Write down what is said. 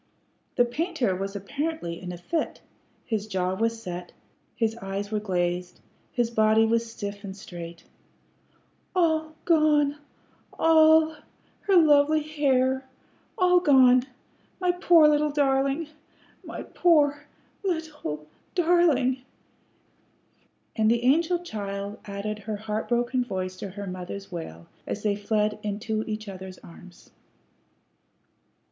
The painter was apparently in a fit; his jaw was set, his eyes were glazed, his body was stiff and straight. "All gone all her lovely hair all gone my poor little darlin' my poor little darlin'!" And the angel child added her heart broken voice to her mother's wail as they fled into each other's arms.